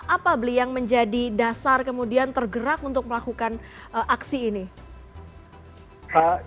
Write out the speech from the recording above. apa beli yang menjadi dasar kemudian tergerak untuk melakukan aksi ini